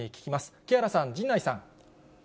木原さん、陣内さん。